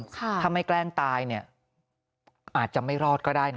ถ้าไม่แกล้งตายเนี่ยอาจจะไม่รอดก็ได้นะ